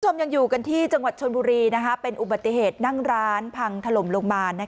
ยังอยู่กันที่จังหวัดชนบุรีเป็นอุบัติเหตุนั่งร้านพังถล่มลงมา